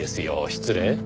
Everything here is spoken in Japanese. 失礼。